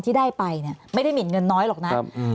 ที่ได้ไปไม่ได้เห็นเงินน้อยหรอกนะ